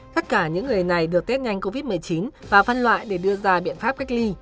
tất cả những người này được test nhanh covid một mươi chín và phân loại để đưa ra biện pháp cách ly